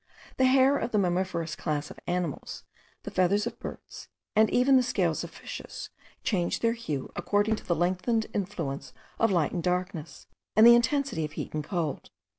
The hair of the mammiferous class of animals, the feathers of birds, and even the scales of fishes, change their hue, according to the lengthened influence of light and darkness, and the intensity of heat and cold.